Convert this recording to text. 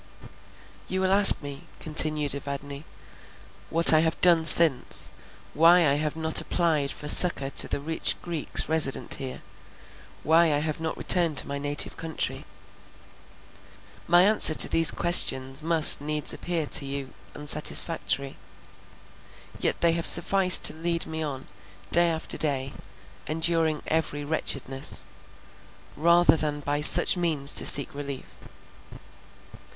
"You will ask me," continued Evadne, "what I have done since; why I have not applied for succour to the rich Greeks resident here; why I have not returned to my native country? My answer to these questions must needs appear to you unsatisfactory, yet they have sufficed to lead me on, day after day, enduring every wretchedness, rather than by such means to seek relief.